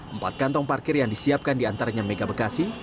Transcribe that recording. empat kantong parkir yang disiapkan diantaranya mega bekasi